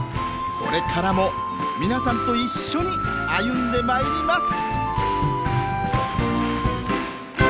これからも皆さんと一緒に歩んでまいります